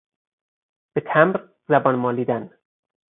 به تمبر زبان مالیدن